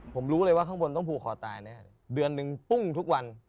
ผมรู้เลยว่าข้างบนต้องผูกคอตายแน่เลยเดือนหนึ่งปุ้งทุกวัน